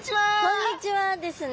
こんにちはですね。